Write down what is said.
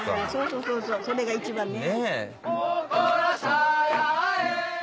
そうそうそれが一番ね。